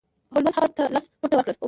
هولمز هغه ته لس پونډه ورکړل.